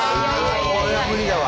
これは無理だわ。